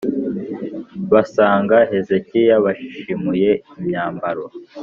Basanga hezekiya bashishimuye imyambaro